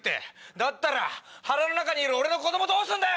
だったら腹の中にいる俺の子供どうするんだよ